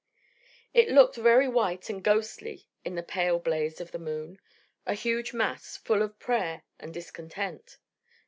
It looked very white and ghostly in the pale blaze of the moon, a huge mass, full of prayer and discontent.